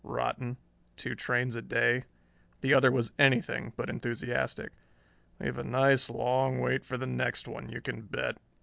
"Rotten. Two trains a day." The other was anything but enthusiastic. "We've a nice long wait for the next one, you can bet.